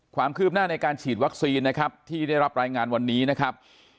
ความคืบหน้าในการฉีดวัคซีนนะครับที่ได้รับรายงานวันนี้นะครับ